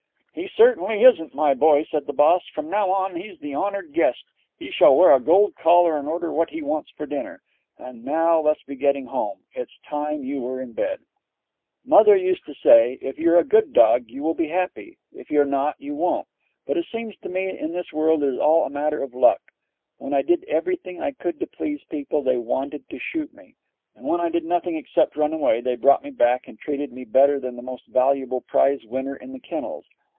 'He certainly isn't, my boy,' said the boss. 'From now on he's the honoured guest. He shall wear a gold collar and order what he wants for dinner. And now let's be getting home. It's time you were in bed.' Mother used to say, 'If you're a good dog, you will be happy. If you're not, you won't,' but it seems to me that in this world it is all a matter of luck. When I did everything I could to please people, they wanted to shoot me; and when I did nothing except run away, they brought me back and treated me better than the most valuable prize winner in the kennels.